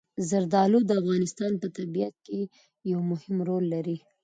زردالو د افغانستان په طبیعت کې یو مهم رول لري.